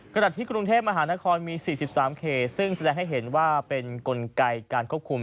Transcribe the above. ขณะที่กรุงเทพมหานครมี๔๓เขตซึ่งแสดงให้เห็นว่าเป็นกลไกการควบคุม